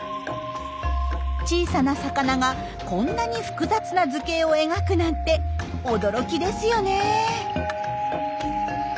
小さな魚がこんなに複雑な図形を描くなんて驚きですよね。